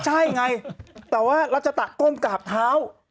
ใช่ไงแต่ว่ารัชตะก้มกราบเท้า